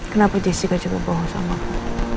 kenapa jessica juga bohong sama aku